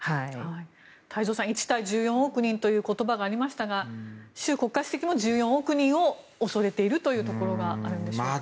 太蔵さん１対１４億人という言葉がありましたが習国家主席も１４億人を恐れているというところがあるんでしょうか。